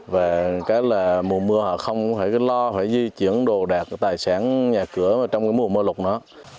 và cái là mùa mưa họ không phải lo phải di chuyển đồ đạc tài sản nhà cửa trong cái mùa mưa lục nữa